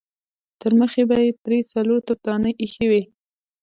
ترمخې به يې درې څلور تفدانۍ اېښې وې.